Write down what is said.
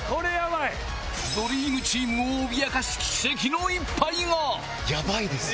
ドリームチームを脅かす奇跡の一杯が！